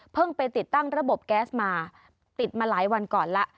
ไปติดตั้งระบบแก๊สมาติดมาหลายวันก่อนแล้ว